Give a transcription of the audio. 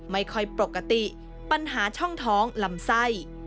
ไม่ค่อยปกติปัญหาช่องท้องลำไส้